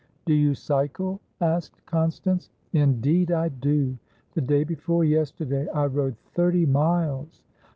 "Do you cycle?" asked Constance. "Indeed I do! The day before yesterday I rode thirty miles.